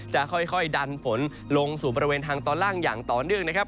จะค่อยดันฝนลงสู่บริเวณทางตอนล่างอย่างต่อเนื่องนะครับ